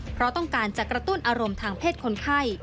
เพราะต้องการจะกระตุ้นอารมณ์ทางเพศคนไข้